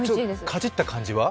かじった感じは？